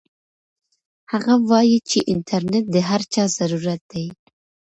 هغه وایي چې انټرنيټ د هر چا ضرورت دی.